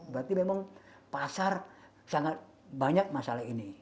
berarti memang pasar sangat banyak masalah ini